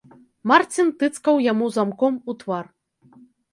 Марцін тыцкаў яму замком у твар.